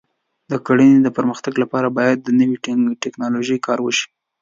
د کرنې د پرمختګ لپاره باید د نوې ټکنالوژۍ کار وشي.